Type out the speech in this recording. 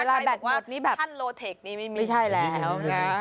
เวลาแบตหมดนี่แบบไม่ใช่แล้ว